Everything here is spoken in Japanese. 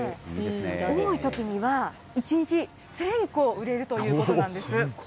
多いときには１日１０００個売れるということなんです。